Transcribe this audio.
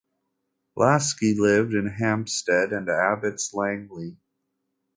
Laski lived in Hampstead and Abbots Langley.